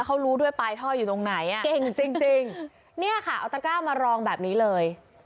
เขารู้ด้วยปลายท่ออยู่ตรงไหนอ่ะเก่งจริงจริงเนี่ยค่ะเอาตะก้ามารองแบบนี้เลย